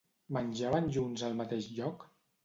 Menjaven junts al mateix lloc?